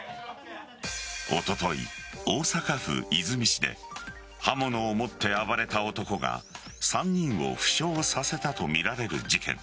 おととい、大阪府和泉市で刃物を持って暴れた男が３人を負傷させたとみられる事件。